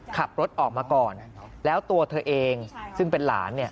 ขับรถออกมาก่อนแล้วตัวเธอเองซึ่งเป็นหลานเนี่ย